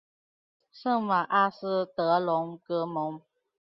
圣瓦阿斯德隆格蒙。